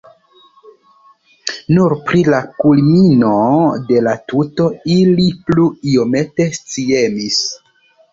Nur pri la kulmino de la tuto ili plu iomete sciemis.